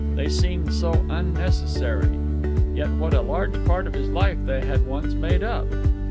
They seemed so unnecessary: yet what a large part of his life they had once made up!